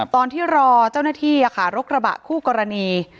ตอนที่รอเจ้าหน้าที่รถกระบะคู่กรณี